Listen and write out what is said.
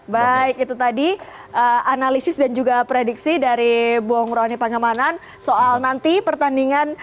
baik itu tadi analisis dan juga prediksi dari buong rony panggemanan soal nanti pertandingan